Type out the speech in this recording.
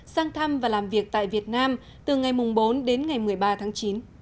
sang thăm và làm việc tại việt nam từ ngày bốn đến ngày một mươi ba tháng chín